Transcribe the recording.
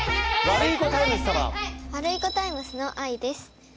ワルイコタイムスのあいです。